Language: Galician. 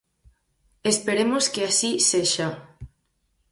Esperemos que así sexa.